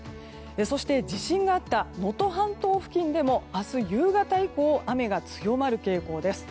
そして地震があった能登半島付近でも明日夕方以降雨が強まる傾向です。